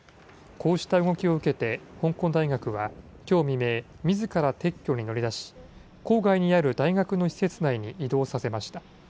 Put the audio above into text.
こうした動きを受けて香港大学はきょう未明、みずから撤去に乗り出し、郊外にある大学の施設内に移動させました。